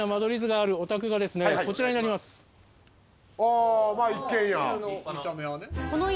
あまあ一軒家。